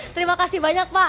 terima kasih banyak pak